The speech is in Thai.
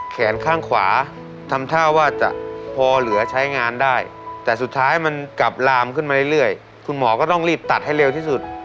แขนข้างขวาทำท่าว่าจะพอเหลือใช้งานได้แต่สุดท้ายมันกลับลามขึ้นมาเรื่อยคุณหมอก็ต้องรีบตัดให้เร็วที่สุด